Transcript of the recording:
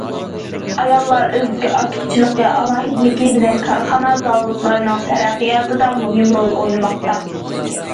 ئاياللار ئۆزىدىكى ئارتۇقچىلىقى، ئالاھىدىلىكى بىلەن كارخانا، زاۋۇتلارنىڭ تەرەققىياتىدا مۇھىم رول ئوينىماقتا.